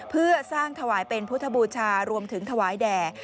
เพื่อสร้างถวายเป็นพุทธบูชารวมถึงถวายแด่